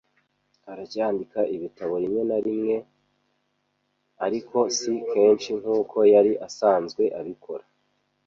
Aracyandika ibitabo rimwe na rimwe, ariko si kenshi nkuko yari asanzwe abikora.